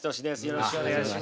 よろしくお願いします。